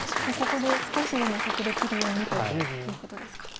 ここで少しでも得できるようにということですか。